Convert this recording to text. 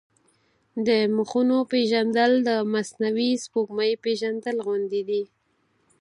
د مخونو پېژندل د مصنوعي سپوږمۍ پېژندل غوندې دي.